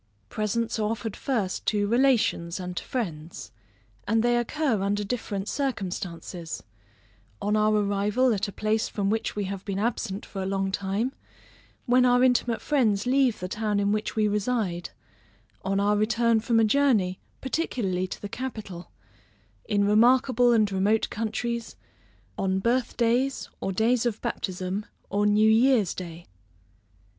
Presents are offered first to relations and to friends; and they occur under different circumstances; on our arrival at a place from which we have been absent for a long time; when our intimate friends leave the town in which we reside; on our return from a journey, particularly to the capital; in remarkable and remote countries; on birth days, or days of baptism, or new year's day.